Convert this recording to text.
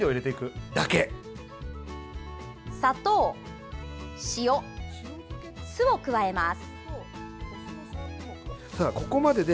砂糖、塩、酢を加えます。